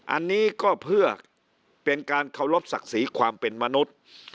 อันนี้ก็เพื่อเป็นการเคารพศักดิ์ศรีความเป็นมนุษย์